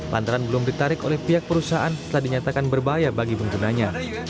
lantaran belum ditarik oleh pihak perusahaan setelah dinyatakan berbahaya bagi penggunanya